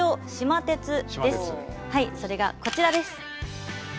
はいそれがこちらです。